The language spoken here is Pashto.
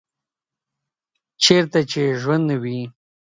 چیرته چې ژوند وي